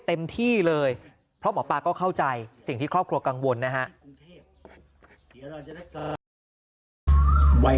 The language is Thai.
เต็มที่เลยเพราะหมอปลาก็เข้าใจสิ่งที่ครอบครัวกังวลนะฮะ